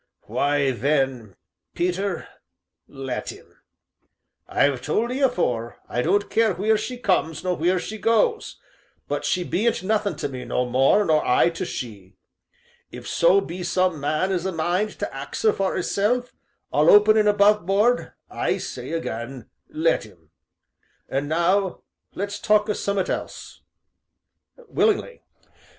"Why, then, Peter, let 'im. I've told 'ee afore, I don't care wheer she comes nor wheer she goes, she bean't nothin' to me no more, nor I to she. If so be some man 'as a mind to ax 'er for 'isself, all open an' aboveboard, I say again let 'im. And now, let's talk o' summat else." "Willingly.